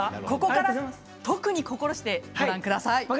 ここから特に心してご覧ください。